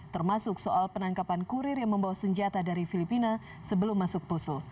termasuk soal penangkapan kurir yang membawa senjata dari filipina sebelum masuk poso